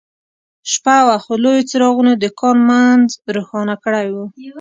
شپه وه خو لویو څراغونو د کان منځ روښانه کړی و